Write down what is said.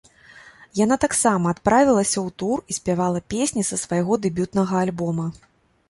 Яна таксама адправілася ў тур і спявала песні са свайго дэбютнага альбома.